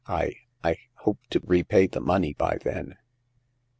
I — I — hope to repay the money by then.